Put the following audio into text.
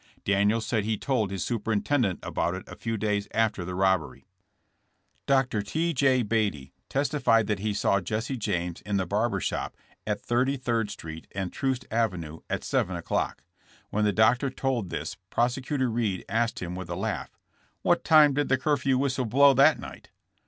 Daniels said he told his superintendent about it a few days after the robbery. Dr. T. J. Beatty testified that he saw Jesse James in the barber shop at Thirty third street and Troost avenue at seven o 'clock. When the doctor told this Prosecutor Reed asked him with a laugh: *'What time did the curfew whistle blow that night?"